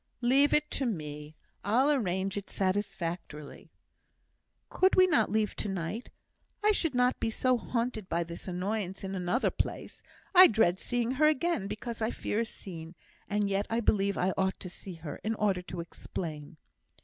"Leave it to me, I'll arrange it satisfactorily." "Could we not leave to night? I should not be so haunted by this annoyance in another place. I dread seeing her again, because I fear a scene; and yet I believe I ought to see her, in order to explain."